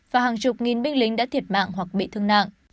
và hàng chục nghìn binh lính đã thiệt mạng hoặc bị thương nặng